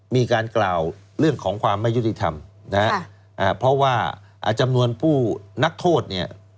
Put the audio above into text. มีการกล่าวเรื่องของความไม่ยุติธรรมนะฮะเพราะว่าจำนวนผู้นักโทษเนี่ย